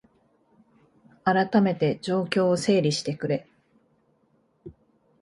あらためて状況を整理してくれ